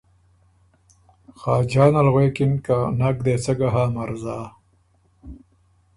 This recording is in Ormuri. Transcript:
خاجان ال غوېکِن که ”نک دې څۀ ګه هۀ مرزا